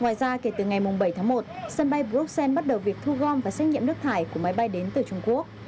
ngoài ra kể từ ngày bảy tháng một sân bay bruxelles bắt đầu việc thu gom và xét nghiệm nước thải của máy bay đến từ trung quốc